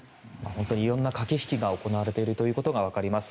本当にいろんな駆け引きが行われていることが分かります。